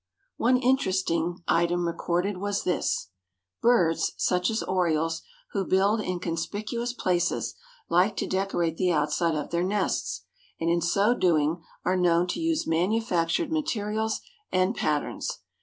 One interesting item recorded was this: "Birds—such as Orioles—who build in conspicuous places, like to decorate the outside of their nests, and in so doing are known to use manufactured materials and patterns."